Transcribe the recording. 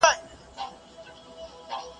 چي هر څوک د ځان په غم دي.